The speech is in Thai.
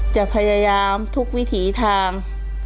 จะพยายามทุกวิถีทาง